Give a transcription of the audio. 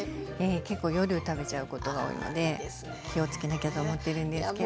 結構夜食べちゃうことが多いので気をつけなきゃと思ってるんですけど。